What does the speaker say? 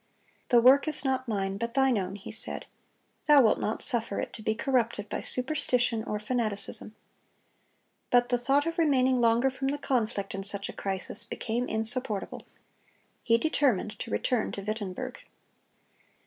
"The work is not mine, but Thine own," he said; "Thou wilt not suffer it to be corrupted by superstition or fanaticism." But the thought of remaining longer from the conflict in such a crisis, became insupportable. He determined to return to Wittenberg.